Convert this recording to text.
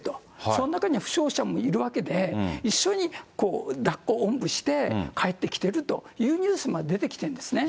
その中には負傷者もいるわけで、一緒にだっこ、おんぶして帰ってきてるというニュースまで出てきてるんですね。